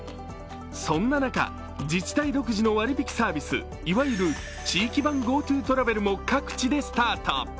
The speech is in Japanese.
そんな中、自治体独自の割り引きサービス、いわゆる地域版ＧｏＴｏトラベルも各地でスタート。